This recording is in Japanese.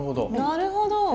なるほど。